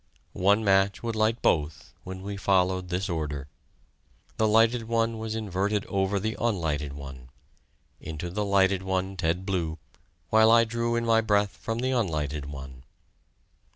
One match would light both, when we followed this order. The lighted one was inverted over the unlighted one. Into the lighted one Ted blew, while I drew in my breath from the unlighted one.